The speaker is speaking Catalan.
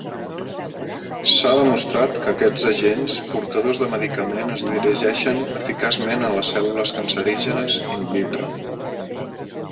S'ha demostrat que aquests agents portadors de medicament es dirigeixen eficaçment a les cèl·lules cancerígenes "in vitro".